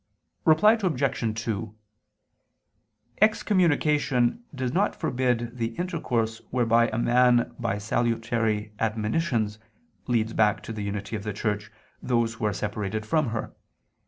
Reply Obj. 2: Excommunication does not forbid the intercourse whereby a person by salutary admonitions leads back to the unity of the Church those who are separated from her.